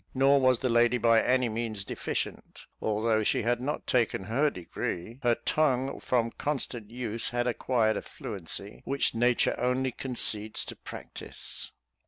Nor was the lady by any means deficient. Although she had not taken her degree, her tongue from constant use had acquired a fluency which nature only concedes to practice.